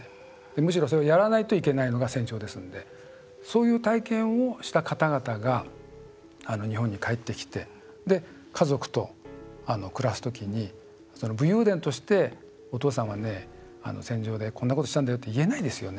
むしろやらないといけないのが戦場なのでそういう体験をした方々が日本に帰ってきて家族と暮らすときに武勇伝として、お父さんは戦場でこんなことしたんだよって言えないですよね。